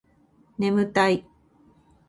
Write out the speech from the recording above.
ねむたい